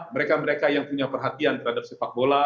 mereka mereka yang punya perhatian terhadap sepak bola